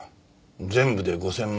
全部で５０００万。